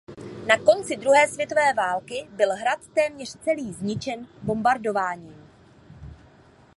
Na konci druhé světové války byl hrad téměř celý zničen bombardováním.